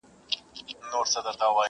لیکل سوي ټول د ميني افسانې دي,